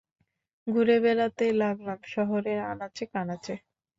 ঘুরে বেড়াতে লাগলাম শহরের আনাচে কানাচে।